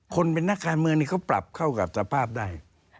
คนเป็นนักการเมืองนี่เขาปรับเข้ากับสภาพได้